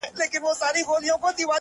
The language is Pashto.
• را تېر سوی وي په کلیو په بانډو کي ,